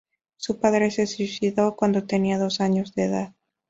Su padre se suicidó cuando tenía dos años de edad.